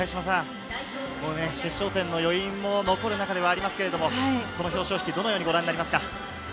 決勝戦の余韻も残る中ではありますけれど、表彰式どのようにご覧になりますか？